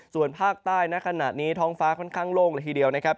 ส่วนภาคใต้ณขณะนี้ท้องฟ้าค่อนข้างโล่งเลยทีเดียวนะครับ